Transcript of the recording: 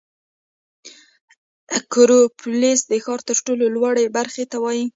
اکروپولیس د ښار تر ټولو لوړې برخې ته وایي.